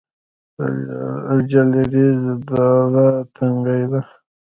د جلریز دره تنګه ده